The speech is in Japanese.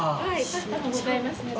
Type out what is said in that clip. パスタもございますので。